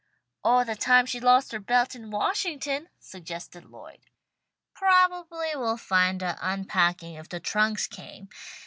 "Or the time she lost her belt in Washington," suggested Lloyd. "Probably we'll find her unpacking if the trunks came.